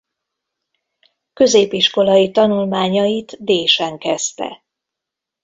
Középiskolai tanulmányait Désen kezdte.